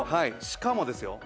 しかもですよ